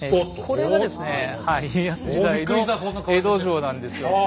これがですねはい家康時代の江戸城なんですよ。